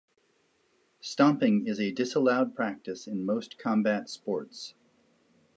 Stomping is a disallowed practice in most combat sports.